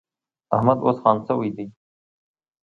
احمد اوس خان شوی دی.